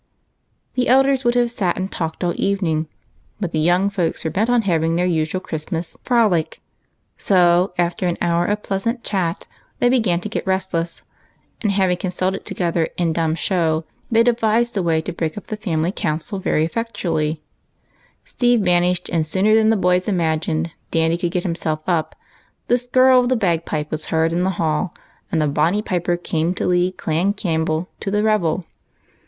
The elders would have sat and talked all the even ing, but the young folks were bent on having their usual Christmas frolic ; so, after an hour of pleasant chat, they began to get restless, and having consulted together in dumb show, they devised a way to very effectually break up the family council. Steve vanished, and, sooner than the boys imagined Dandy could get himself up, the skirl of the bag pipe was heard in the hall, and the bonny piper came to lead Clan Campbell to the revel.